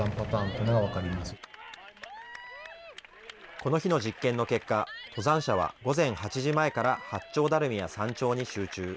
この日の実験の結果、登山者は午前８時前から八丁ダルミや山頂に集中。